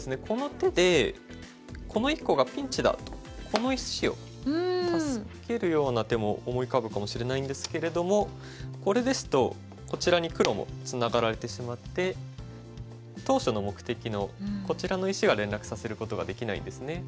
この手でこの１個がピンチだとこの１子を助けるような手も思い浮かぶかもしれないんですけれどもこれですとこちらに黒もツナがられてしまって当初の目的のこちらの石が連絡させることができないんですね。